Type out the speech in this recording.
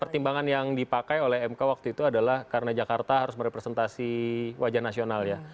pertimbangan yang dipakai oleh mk waktu itu adalah karena jakarta harus merepresentasi wajah nasional ya